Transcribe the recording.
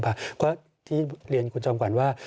เพราะที่เรียนคุณจอมขวัญว่า